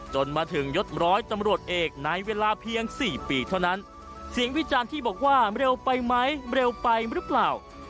จนมาถึงยศร้อยตำรวจเอกในเวลาเพียง๔ปีเท่านั้นเสียงวิจารณ์ที่บอกว่าเร็วไปไหมเร็วไปหรือเปล่า